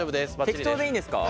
適当でいいんですか？